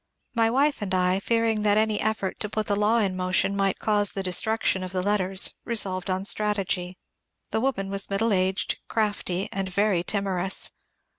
My wife and I, fearing that any effort to put the law in motion might cause the destruction of the letters, resolved on strategy. The woman was middle aged, crafty, and very timorous.